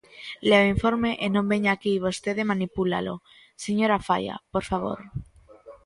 Lea o informe e non veña aquí vostede manipulalo, señora Faia, por favor.